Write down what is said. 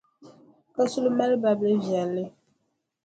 Kasuli mali babilʼ viɛlli.